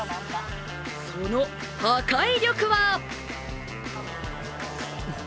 その破壊力は？